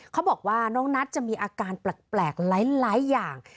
เขาบอกว่าน้องนัทจะมีอาการแปลกหลายอย่าง